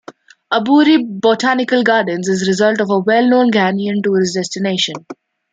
Aburi Botanical Gardens is result of a well known Ghanaian tourist destination.